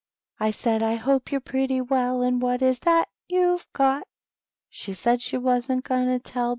I said, */ hope yovHre pretty well ; And what is that you^ve gotf She said she wam!t going to tell.